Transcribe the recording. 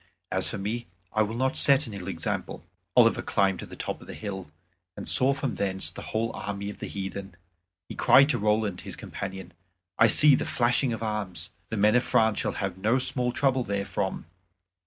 As for me, I will not set an ill example." Oliver climbed to the top of a hill, and saw from thence the whole army of the heathen. He cried to Roland his companion, "I see the flashing of arms. We men of France shall have no small trouble therefrom.